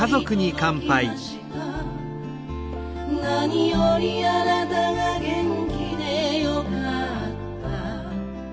「なによりあなたが元気でよかった」